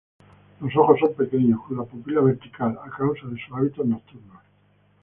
Los ojos son pequeños, con la pupila vertical, a causa de sus hábitos nocturnos.